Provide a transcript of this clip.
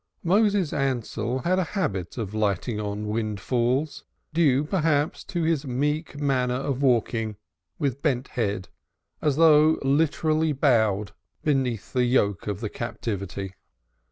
Moses Ansell had a habit of lighting on windfalls, due, perhaps, to his meek manner of walking with bent head, as though literally bowed beneath the yoke of the Captivity.